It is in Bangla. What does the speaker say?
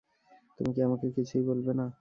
তুমি কি আমাকে কিছুই বলবে না?